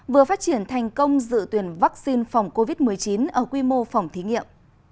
vừa phát triển thành công dự tuyển vaccine phòng covid một mươi chín ở quy mô phòng thí nghiệm